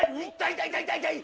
痛い痛い